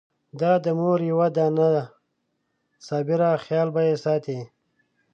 دا د مور یوه دانه صابره خېال به يې ساتي!